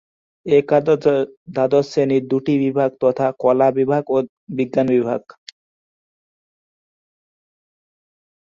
একাদশ ও দ্বাদশ শ্রেণির দুটি বিভাগ তথা কলা বিভাগ ও বিজ্ঞান বিভাগ।